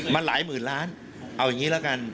มันหลายหมื่นล้านเอาอย่างนี้แล้วกัน